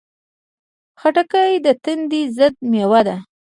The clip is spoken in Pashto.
خټکی د تندې ضد مېوه ده.